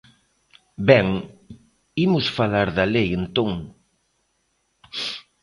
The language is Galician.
Ben, imos falar da lei, entón.